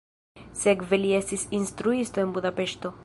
Sekve li estis instruisto en Budapeŝto.